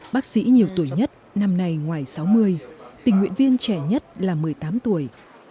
bác sĩ nhiều tuổi nhất năm nay ngoài sáu mươi tình nguyện viên trẻ nhất là một mươi tám tuổi